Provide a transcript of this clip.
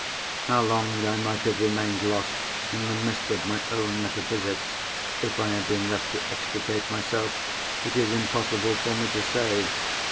How long I might have remained lost in the mist of my own metaphysics, if I had been left to extricate myself, it is impossible for me to say.